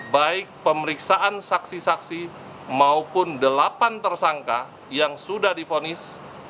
baik pemeriksaan saksi saksi maupun delapan tersangka yang sudah difonis